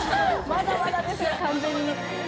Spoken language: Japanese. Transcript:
まだまだです。